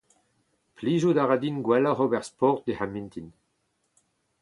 Plijout a ra din gwelloc’h ober sport diouzh ar mintin.